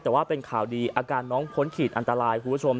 แต่ว่าเป็นข่าวดีอาการน้องพ้นขีดอันตรายคุณผู้ชม